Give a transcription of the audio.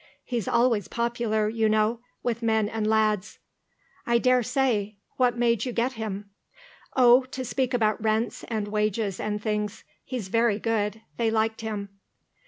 He's always popular, you know, with men and lads." "I daresay. What made you get him?" "Oh, to speak about rents and wages and things. He's very good. They liked him."